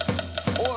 おい。